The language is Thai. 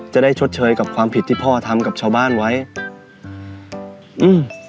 ชดเชยกับความผิดที่พ่อทำกับชาวบ้านไว้อืม